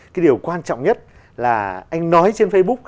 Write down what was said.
cái điều quan trọng nhất là anh nói trên facebook